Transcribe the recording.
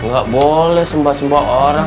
gak boleh sembah sembah orang